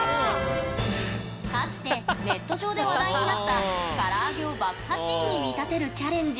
かつて、ネット上で話題になった唐揚げを爆破シーンに見立てるチャレンジ。